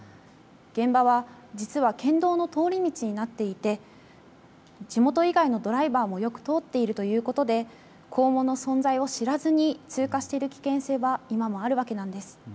現場は実は県道の通り道になっていて地元以外のドライバーもよく通っているということで校門の存在を知らずに通過する危険性は今もあるわけなんです。